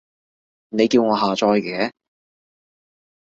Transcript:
你叫我下載嘅